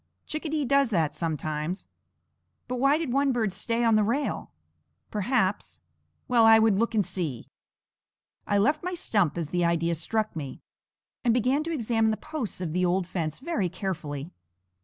Chickadee does that sometimes. "But why did one bird stay on the rail? Perhaps" Well, I would look and see. I left my stump as the idea struck me, and began to examine the posts of the old fence very carefully.